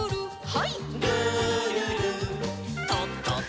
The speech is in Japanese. はい。